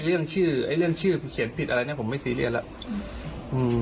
เรื่องชื่อเขียนผิดอะไรผมไม่ซีเรียนแล้ว